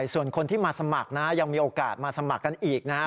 ส่วนคนที่มาสมัครนะยังมีโอกาสมาสมัครกันอีกนะครับ